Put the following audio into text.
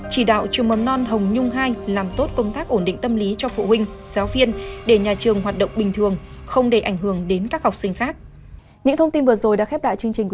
chỉ đạo trường mầm non hồng nhung hai làm tốt công tác ổn định tâm lý cho phụ huynh giáo viên để nhà trường hoạt động bình thường không để ảnh hưởng đến các học sinh khác